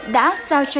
đã diễn ra một kịch bản